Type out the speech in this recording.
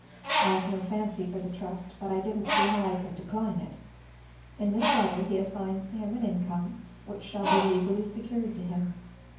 I have no fancy for the trust, but I did n't see how I could decline it. In this letter he assigns to him an income, which shall be legally secured to him.